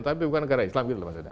tapi bukan negara islam